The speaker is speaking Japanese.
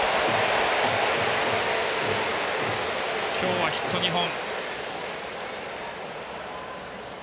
今日はヒット２本。